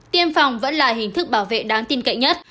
tiêm phòng vẫn là hình thức bảo vệ đáng tin cậy nhất